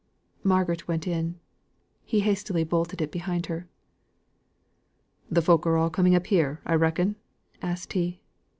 Margaret went in. He hastily bolted it behind her. "Th' folk are all coming up here, I reckon?" asked he.